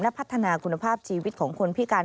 พัฒนาคุณภาพชีวิตของคนพิการ